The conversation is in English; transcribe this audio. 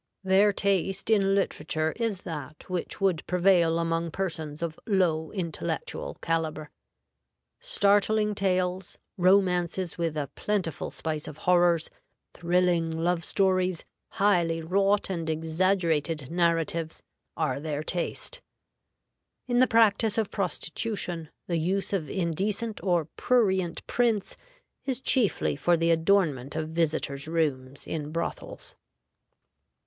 Their taste in literature is that which would prevail among persons of low intellectual calibre. Startling tales, romances with a plentiful spice of horrors, thrilling love stories, highly wrought and exaggerated narratives, are their taste. In the practice of prostitution, the use of indecent or prurient prints is chiefly for the adornment of visitors' rooms in brothels.